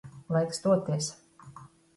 Laiks doties.